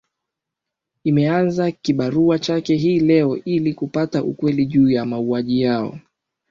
imeanza kibarua chake hii leo ili kupata ukweli juu ya mauaji hayo